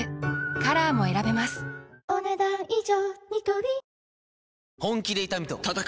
カラーも選べますお、ねだん以上。